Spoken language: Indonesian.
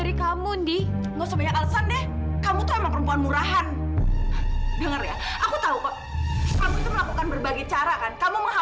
siapa perempuan itu